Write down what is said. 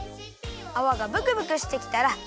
あわがブクブクしてきたらよ